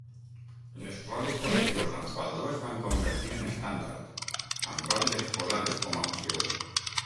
Les rodes posteriors amb faldó es van convertir en estàndard, amb rodes exposades com a opció.